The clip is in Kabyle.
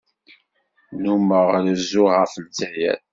Nnummeɣ rezzuɣ ɣef Lezzayer.